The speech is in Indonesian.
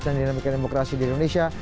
dan dinamikian demokrasi di indonesia